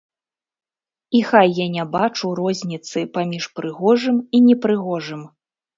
І хай я не бачу розніцы паміж прыгожым і непрыгожым.